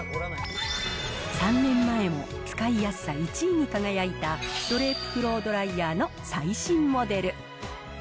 ３年前も使いやすさ１位に輝いた、ドレープフロードライヤーの最新モデル。